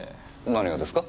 何がですか？